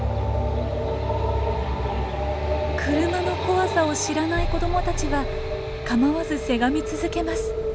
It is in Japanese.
車の怖さを知らない子どもたちは構わずせがみ続けます。